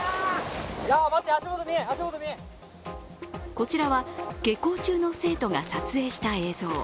こちらは下校中の生徒が撮影した映像。